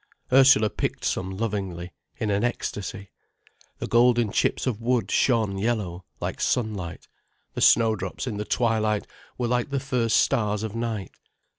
Ursula picked some lovingly, in an ecstasy. The golden chips of wood shone yellow like sunlight, the snowdrops in the twilight were like the first stars of night.